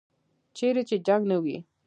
چیرې چې جنګ نه وي.